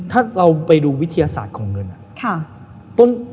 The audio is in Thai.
ถ้าเราไปดูวิทยาศาสตร์ของเงิน